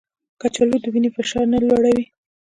کچالو د وینې فشار نه لوړوي